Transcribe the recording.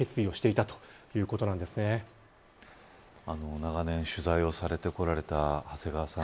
長年取材をされてこられた長谷川さん